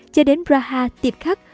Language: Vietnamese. che đến braha tiếp khắc